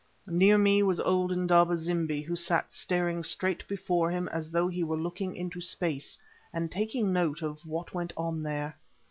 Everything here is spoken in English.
Near me was old Indaba zimbi, who sat staring straight before him as though he were looking into space, and taking note of what went on there.